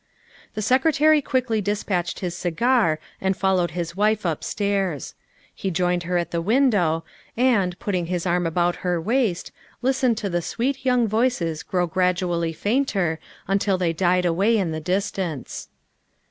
The Secretary quickly dispatched his cigar and fol lowed his wife upstairs. He joined her at the window and, putting his arm about her waist, listened to the sweet young voices grow gradually fainter until they died away in the distance.